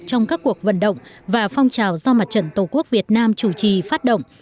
trong các cuộc vận động và phong trào do mặt trận tổ quốc việt nam chủ trì phát động